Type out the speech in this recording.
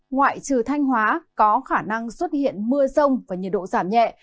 ngoại trừ thanh hóa có khả năng xuất hiện mưa rông và nhiệt độ giảm nhẹ